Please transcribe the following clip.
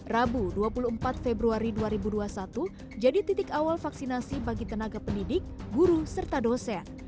rabu dua puluh empat februari dua ribu dua puluh satu jadi titik awal vaksinasi bagi tenaga pendidik guru serta dosen